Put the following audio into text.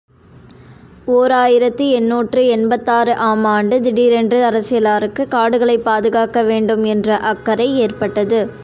ஓர் ஆயிரத்து எண்ணூற்று எண்பத்தாறு ஆம் ஆண்டு திடீரென்று அரசியலாருக்குக் காடுகளைப் பாதுகாக்கவேண்டும் என்ற அக்கறை ஏற்பட்டது.